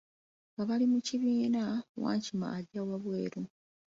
Nga bali mu kibiina, wankima agya wa bweru.